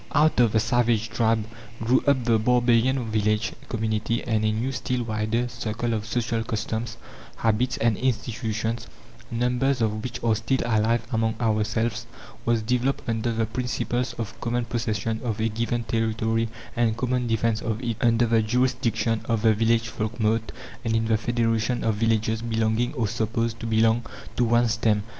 Out of the savage tribe grew up the barbarian village community; and a new, still wider, circle of social customs, habits, and institutions, numbers of which are still alive among ourselves, was developed under the principles of common possession of a given territory and common defence of it, under the jurisdiction of the village folkmote, and in the federation of villages belonging, or supposed to belong, to one stem.